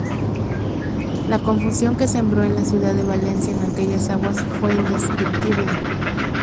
La confusión que sembró el Ciudad de Valencia en aquellas aguas fue indescriptible.